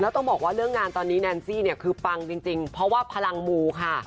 ต้องบอกว่าเรื่องงานตอนนี้แนนซี่เนี่ยคือปังจริงเพราะว่าพลังมูค่ะ